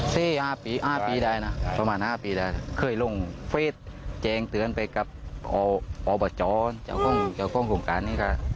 สี่ห้าปีห้าปีได้นะประมาณห้าปีได้เคยลงเฟสแจ้งเตือนไปกับอบจเจ้าของห้องโครงการนี้ก็